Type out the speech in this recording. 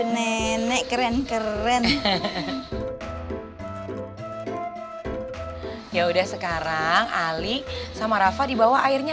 nen nanti sama rafa udah ambil airnya nih kan air kita mati makasih ya sayang